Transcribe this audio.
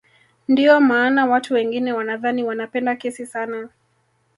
Ndiyo maana watu wengine wanadhani wanapenda kesi sana